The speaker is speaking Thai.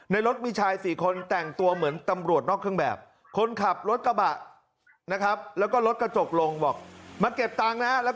ในรถมีชาย๔คนแต่งตัวเหมือนตำรวจนอกเครื่องแบบคนขับรถกระบะและรถกระจกลงมาเก็บตางนะ